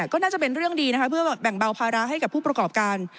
ก็น่าจะเป็นเรื่องดีนะคะเพื่อแบ่งเบาภาระให้กับผู้ประกอบการ